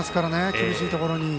厳しいところに。